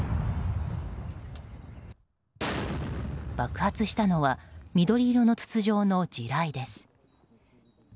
爆発したのは緑色の筒状の地雷です。